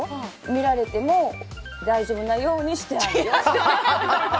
見られても大丈夫なようにしてあるよ。